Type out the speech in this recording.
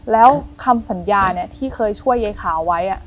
แล้วคำสัญญาที่เคยช่วยยายขาวไว้